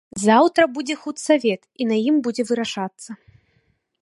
Заўтра будзе худсавет, і на ім будзе вырашацца.